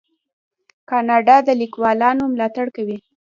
کاناډا د لیکوالانو ملاتړ کوي.